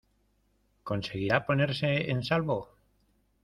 ¿ conseguirá ponerse en salvo?